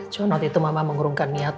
cuma waktu itu mama mengurungkan niat